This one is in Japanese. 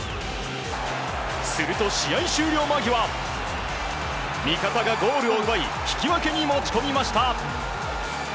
すると、試合終了間際味方がゴールを奪い引き分けに持ち込みました。